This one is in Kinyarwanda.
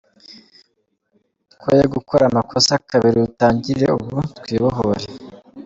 Twoye gukora amakosa kabiri, dutangire ubu twibohore.